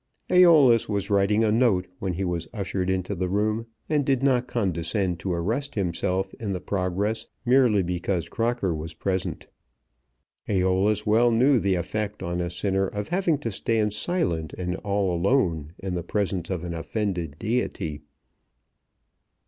Æolus was writing a note when he was ushered into the room, and did not condescend to arrest himself in the progress merely because Crocker was present. Æolus well knew the effect on a sinner of having to stand silent and all alone in the presence of an offended deity.